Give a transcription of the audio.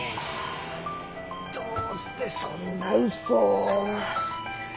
どうしてそんな嘘を。